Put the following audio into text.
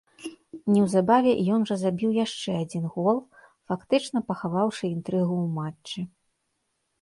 Неўзабаве ён жа забіў яшчэ адзін гол, фактычна пахаваўшы інтрыгу ў матчы.